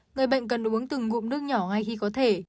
người bệnh cần uống từng cụm nước nhỏ ngay khi có thể